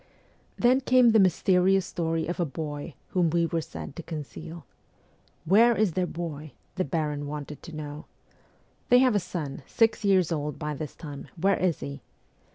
...' Then came the mysterious story of a boy whom we were said to conceal. * Where is their boy ?' the baron wanted to know. ' They have a son, six years old by this time where is he